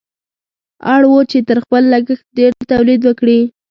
اړ وو چې تر خپل لګښت ډېر تولید وکړي.